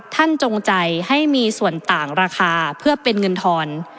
จงใจให้มีส่วนต่างราคาเพื่อเป็นเงินทอน